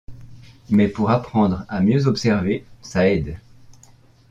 Mais pour apprendre à mieux observer : ça aide.